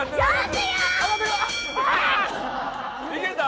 いけた？